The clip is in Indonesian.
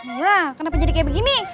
wah kenapa jadi kayak begini